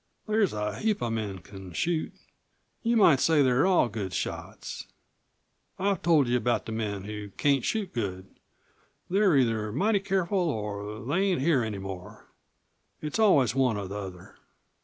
"There's a heap of men c'n shoot. You might say they're all good shots. I've told you about the men who can't shoot good. They're either mighty careful, or they ain't here any more. It's always one or the other."